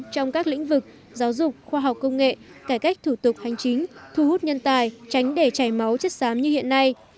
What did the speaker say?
trong các lĩnh vực giáo dục khoa học công nghệ cải cách thủ tục hành chính thu hút nhân tài tránh để chảy máu chất xám như hiện nay